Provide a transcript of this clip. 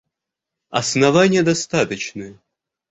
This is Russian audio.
— Основание достаточное.